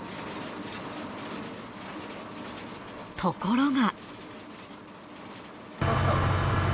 ところが。